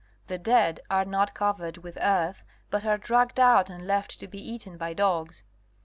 The dead are not coy ered with earth but are dragged out and left to be eaten by dogs.